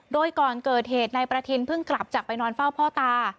โดยก่อนเกิดเหตุนายประทินเพิ่งกลับจากไปนอนเฝ้าพ่อตา